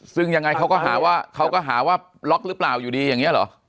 ซึ่งยังไงเขาก็หาว่าล็อกหรือเปล่าอยู่ดีอย่างนี้หรอ